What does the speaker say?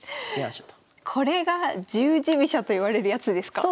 これが十字飛車といわれるやつですか？